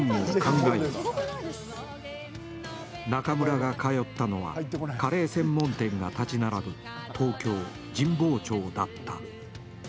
中村が通ったのはカレー専門店が建ち並ぶ東京・神保町だった。